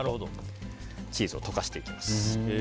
チーズを溶かしていきます。